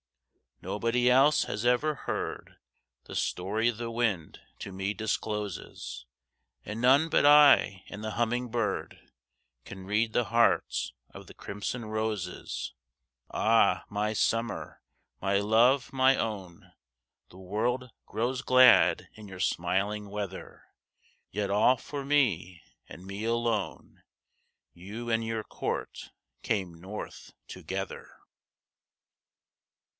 Nobody else has ever heard The story the Wind to me discloses; And none but I and the humming bird Can read the hearts of the crimson roses. Ah, my Summer—my love—my own! The world grows glad in your smiling weather; Yet all for me, and me alone, You and your Court came North together.